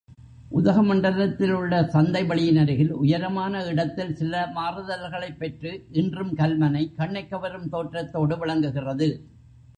உதக மண்டலத்திலுள்ள சந்தை வெளியினருகில், உயரமான இடத்தில் சில மாறுதல்களைப் பெற்று இன்றும் கல்மனை கண்ணைக்கவரும் தோற்றத்தோடு விளங்குகிறது.